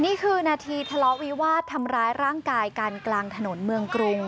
นี่คือนาทีทะเลาะวิวาสทำร้ายร่างกายกันกลางถนนเมืองกรุง